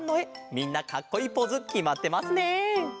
みんなかっこいいポーズきまってますね！